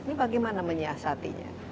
ini bagaimana menyiasatinya